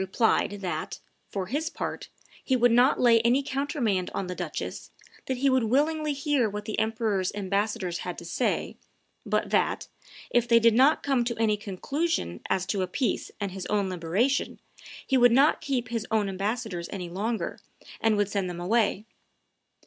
replied that, for his part, "he would not lay any countermand on the duchess, that he would willingly hear what the emperor's ambassadors had to say, but that, if they did not come to any conclusion as to a peace and his own liberation, he would not keep his own ambassadors any longer, and would send them away."